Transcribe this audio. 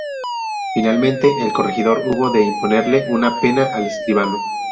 Finalmente, el corregidor hubo de imponerle una pena al escribano.